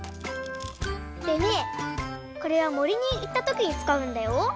でねこれはもりにいったときにつかうんだよ。